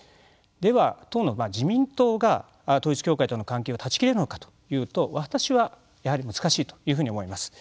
では、当の自民党が統一教会との関係を断ちきれるのかというと私は、やはり難しいというふうに思います。